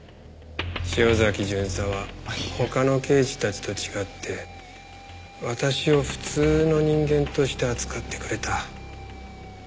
潮崎巡査は他の刑事たちと違って私を普通の人間として扱ってくれた。